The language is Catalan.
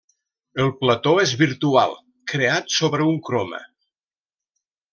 El plató és virtual, creat sobre un croma.